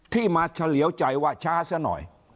ที่มาเฉลี่ยวใจว่าช้าซะหน่อย